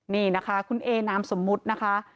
นี่นะคะคุณเอนามสมมุตินะคะ